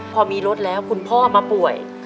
พอมีรถแล้วคุณพ่อมาป่วย